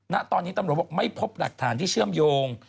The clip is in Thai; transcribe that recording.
ณตอนนี้ตำรวจบอกไม่พบหลักฐานที่เชื่อมโยง